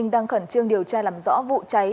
đang khẩn trương điều tra làm rõ vụ cháy